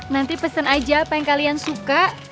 nanti pesen aja apa yang kalian suka